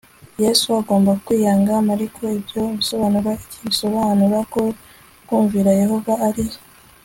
Yesu agomba kwiyanga Mariko Ibyo bisobanura iki Bisobanura ko kumvira Yehova ari